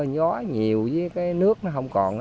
gió nhiều với cái nước nó không còn